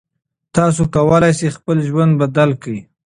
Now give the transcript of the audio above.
تاسو کولی شئ خپل ژوند بدل کړئ.